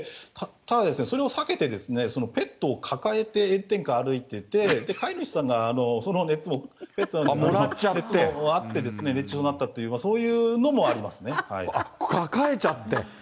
ただ、それを避けて、ペットを抱えて炎天下歩いてて、飼い主さんがその熱をペットに当たって、熱中症になったという、抱えちゃって。